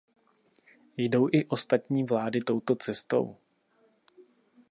Jdou i ostatní vlády touto cestou?